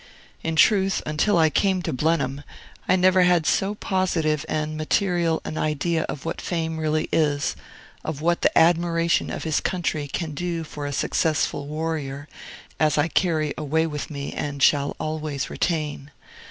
In truth, until I came to Blenheim, I never had so positive and material an idea of what Fame really is of what the admiration of his country can do for a successful warrior as I carry away with me and shall always retain.